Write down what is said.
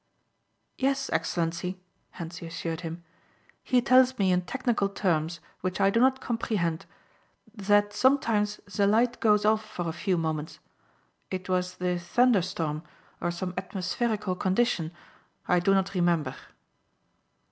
"Yes, Excellency," Hentzi assured him, "He tells me in technical terms which I do not comprehend that sometimes the light goes off for a few moments. It was the thunder storm or some atmospherical condition. I do not remember."